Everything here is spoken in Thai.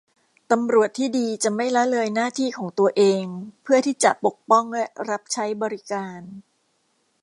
ตำรวจที่ดีจะไม่ละเลยหน้าที่ของตัวเองเพื่อที่จะปกป้องและรับใช้บริการ